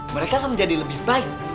mereka akan menjadi lebih baik